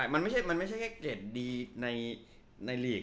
มันไม่ใช่แค่เกรดดีในหลีก